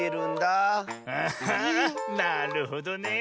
あなるほどねえ。